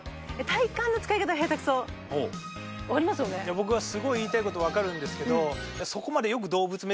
僕はすごい言いたいこと分かるんですけど。